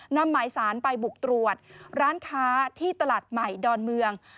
นำหมายสารไปบุกตรวจร้านค้าที่ตลาดใหม่ดอนเมือง